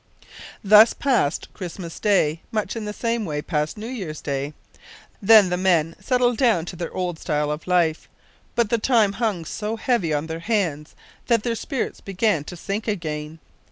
Thus passed Christmas Day; much in the same way passed New Year's Day. Then the men settled down to their old style of life; but the time hung so heavy on their hands that their spirits began to sink again.